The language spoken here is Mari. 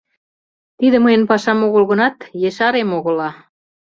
— Тиде мыйын пашам огыл гынат, ешарем огыла.